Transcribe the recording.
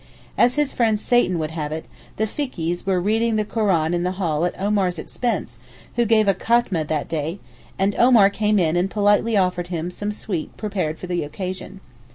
As his friend 'Satan' would have it, the Fikees were reading the Koran in the hall at Omar's expense who gave a Khatmeh that day, and Omar came in and politely offered him some sweet prepared for the occasion.